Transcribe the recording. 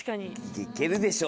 いけるでしょ